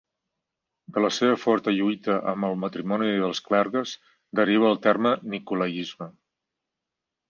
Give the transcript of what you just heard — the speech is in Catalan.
De la seva forta lluita amb el matrimoni dels clergues, deriva el terme nicolaisme.